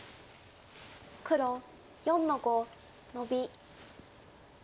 黒４の五ノビ。